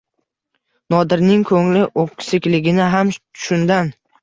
Nodirning ko‘ngli o‘ksikligi ham shundan.